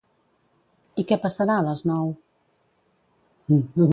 I què passarà a les nou?